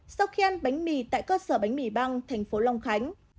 sau khi ăn bánh mì tại cơ sở bánh mì băng tp long khánh